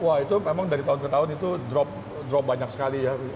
wah itu memang dari tahun ke tahun itu drop banyak sekali ya